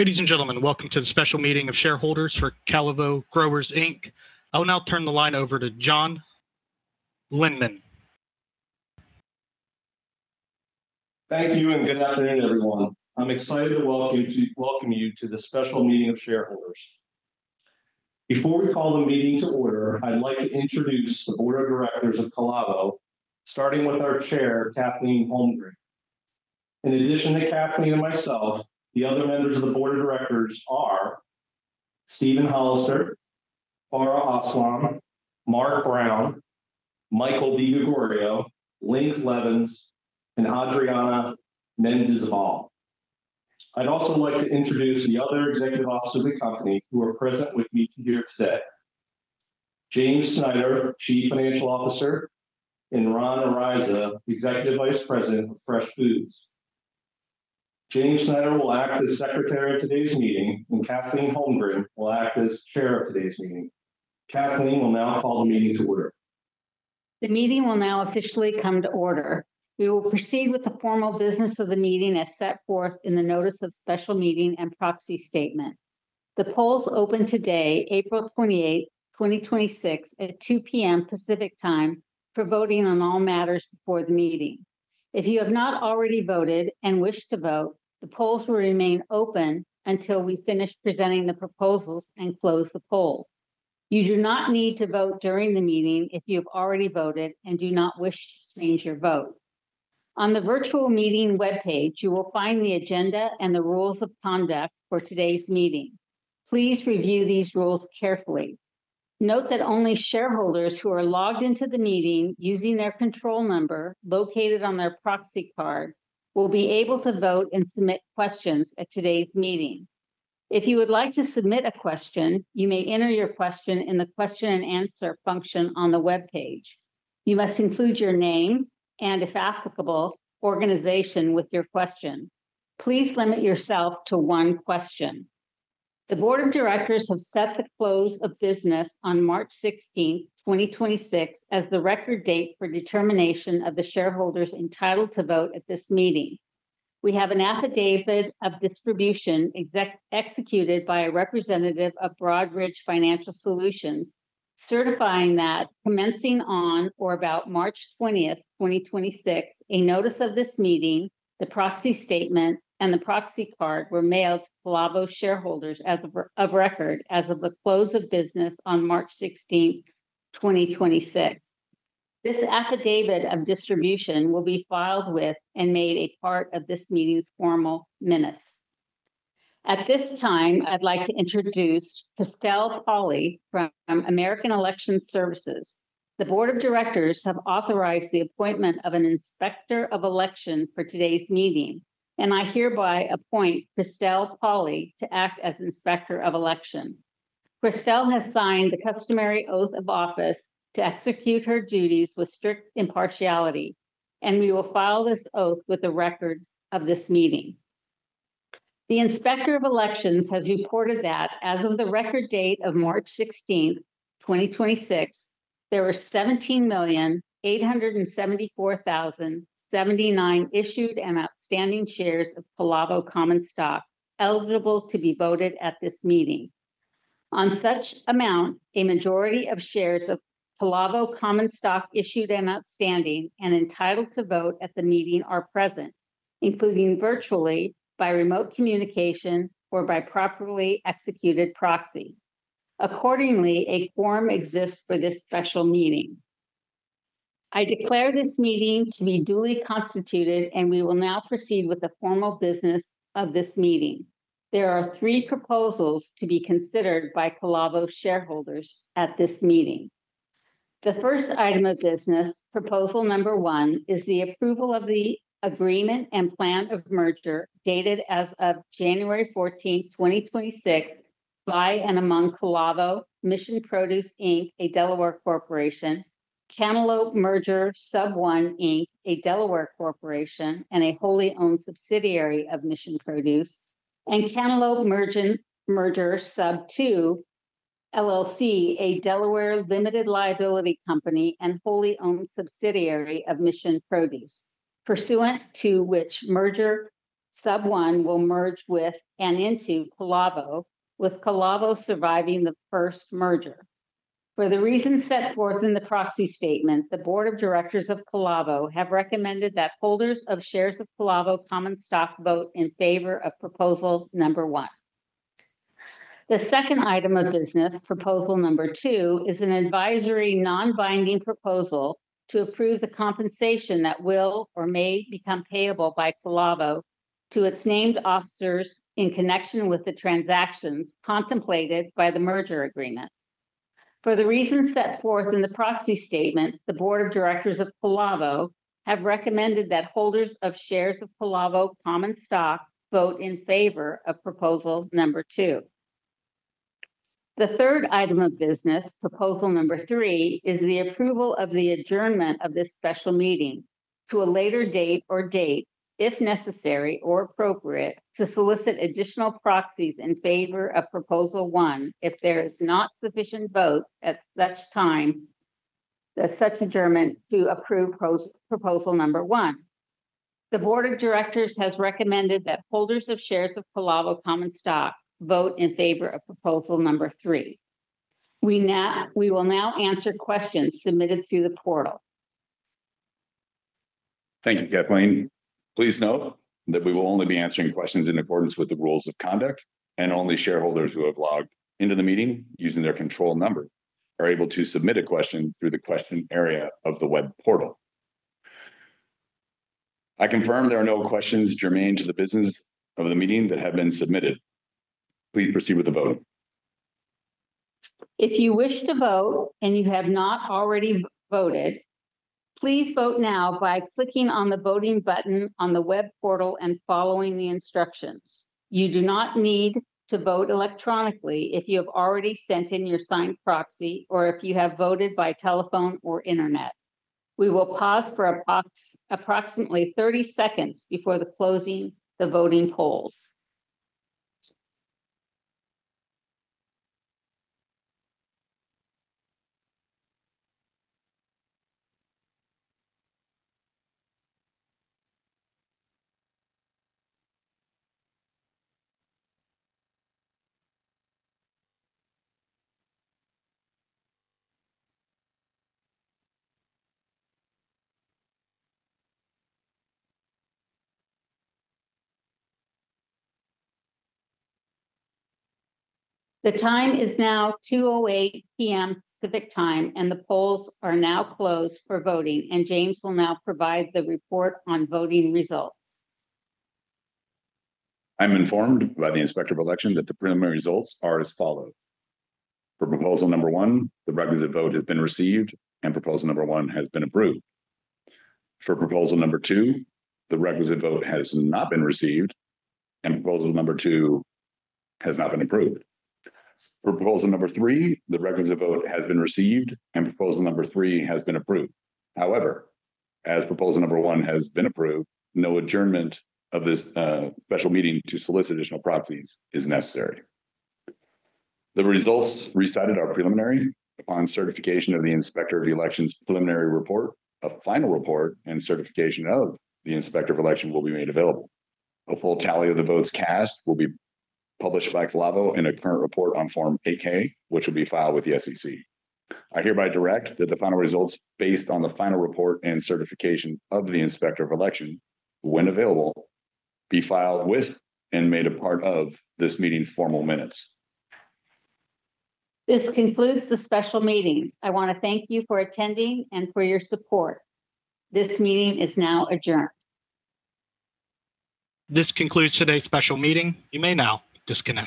Ladies and gentlemen, welcome to the special meeting of shareholders for Calavo Growers, Inc. I will now turn the line over to John Lindeman. Thank you, and good afternoon, everyone. I'm excited to welcome you to the special meeting of shareholders. Before we call the meeting to order, I'd like to introduce the Board of Directors of Calavo, starting with our Chair, Kathleen Holmgren. In addition to Kathleen and myself, the other members of the board of directors are Steven Hollister, Farha Aslam, Marc Brown, Michael DiGregorio, J. Link Leavens, and Adriana Mendizabal. I'd also like to introduce the other executive officers of the company who are present with me here today. James Snyder, Chief Financial Officer, and Ron Araiza, Executive Vice President, Fresh Foods. James Snyder will act as secretary at today's meeting, and Kathleen Holmgren will act as chair of today's meeting. Kathleen will now call the meeting to order. The meeting will now officially come to order. We will proceed with the formal business of the meeting as set forth in the notice of special meeting and proxy statement. The polls opened today, April 28, 2026, at 2:00 P.M. Pacific Time for voting on all matters before the meeting. If you have not already voted and wish to vote, the polls will remain open until we finish presenting the proposals and close the poll. You do not need to vote during the meeting if you have already voted and do not wish to change your vote. On the virtual meeting webpage, you will find the agenda and the rules of conduct for today's meeting. Please review these rules carefully. Note that only shareholders who are logged into the meeting using their control number located on their proxy card will be able to vote and submit questions at today's meeting. If you would like to submit a question, you may enter your question in the question and answer function on the webpage. You must include your name and, if applicable, organization with your question. Please limit yourself to one question. The Board of Directors have set the close of business on March 16th, 2026, as the record date for determination of the shareholders entitled to vote at this meeting. We have an affidavit of distribution executed by a representative of Broadridge Financial Solutions, certifying that commencing on or about March 20, 2026, a notice of this meeting, the proxy statement, and the proxy card were mailed to Calavo shareholders as of record as of the close of business on March 16, 2026. This affidavit of distribution will be filed with and made a part of this meeting's formal minutes. At this time, I'd like to introduce Christel Pauli from American Election Services. The board of directors have authorized the appointment of an inspector of election for today's meeting, and I hereby appoint Christel Pauli to act as inspector of election. Christel has signed the customary oath of office to execute her duties with strict impartiality, and we will file this oath with the record of this meeting. The inspector of elections has reported that as of the record date of March 16, 2026, there were 17,874,079 issued and outstanding shares of Calavo common stock eligible to be voted at this meeting. On such amount, a majority of shares of Calavo common stock issued and outstanding and entitled to vote at the meeting are present, including virtually by remote communication or by properly executed proxy. Accordingly, a quorum exists for this special meeting. I declare this meeting to be duly constituted, and we will now proceed with the formal business of this meeting. There are three proposals to be considered by Calavo shareholders at this meeting. The first item of business, proposal number one, is the approval of the agreement and plan of merger dated as of January 14th, 2026, by and among Calavo, Mission Produce, Inc, a Delaware corporation, Cantaloupe Merger Sub I, Inc, a Delaware corporation and a wholly owned subsidiary of Mission Produce, and Cantaloupe Merger Sub II, LLC, a Delaware limited liability company and wholly owned subsidiary of Mission Produce, pursuant to which Merger Sub I will merge with and into Calavo, with Calavo surviving the first merger. For the reasons set forth in the proxy statement, the board of directors of Calavo have recommended that holders of shares of Calavo common stock vote in favor of proposal number one. The second item of business, proposal number two, is an advisory non-binding proposal to approve the compensation that will or may become payable by Calavo to its named officers in connection with the transactions contemplated by the merger agreement. For the reasons set forth in the proxy statement, the board of directors of Calavo have recommended that holders of shares of Calavo common stock vote in favor of proposal number two. The third item of business, proposal number three, is the approval of the adjournment of this special meeting to a later date if necessary or appropriate to solicit additional proxies in favor of proposal one if there is not sufficient vote at such time such adjournment to approve proposal number one. The board of directors has recommended that holders of shares of Calavo common stock vote in favor of proposal number three. We will now answer questions submitted through the portal. Thank you, Kathleen. Please note that we will only be answering questions in accordance with the rules of conduct, and only shareholders who have logged into the meeting using their control number are able to submit a question through the question area of the web portal. I confirm there are no questions germane to the business of the meeting that have been submitted. Please proceed with the vote. If you wish to vote and you have not already voted, please vote now by clicking on the voting button on the web portal and following the instructions. You do not need to vote electronically if you have already sent in your signed proxy or if you have voted by telephone or internet. We will pause for approximately 30 seconds before the closing the voting polls. The time is now 2:08 P.M. Pacific Time. The polls are now closed for voting. James Snyder will now provide the report on voting results. I'm informed by the Inspector of Elections that the preliminary results are as follows. For proposal number one, the requisite vote has been received and proposal number one has been approved. For proposal number two, the requisite vote has not been received and proposal number two has not been approved. For proposal number three, the requisite vote has been received and proposal number three has been approved. However, as proposal number one has been approved, no adjournment of this special meeting to solicit additional proxies is necessary. The results recited are preliminary on certification of the Inspector of Elections' preliminary report. A final report and certification of the Inspector of Elections will be made available. A full tally of the votes cast will be published by Calavo in a current report on form 8-K, which will be filed with the SEC. I hereby direct that the final results, based on the final report and certification of the Inspector of Election, when available, be filed with and made a part of this meeting's formal minutes. This concludes the special meeting. I wanna thank you for attending and for your support. This meeting is now adjourned. This concludes today's special meeting. You may now disconnect.